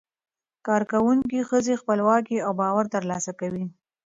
کارکوونکې ښځې خپلواکي او باور ترلاسه کوي.